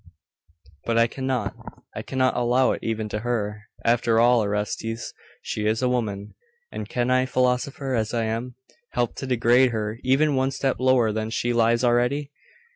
'But I cannot I cannot allow it even to her. After all, Orestes, she is a woman. And can I, philosopher as I am, help to degrade her even one step lower than she lies already?